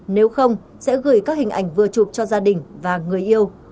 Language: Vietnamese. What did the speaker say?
nếu không sẽ gửi các hình ảnh vừa chụp cho gia đình và người yêu